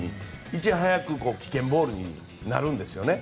いち早く危険ボールになるんですよね。